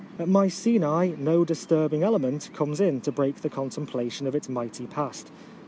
At Mycenae no disturbing element comes in to break the contemplation of its mighty past.